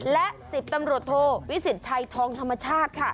และ๑๐ตำรวจโทรวิสิศชายทองธรรมชาติ